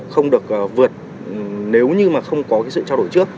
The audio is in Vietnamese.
không được vượt nếu như mà không có cái sự trao đổi trước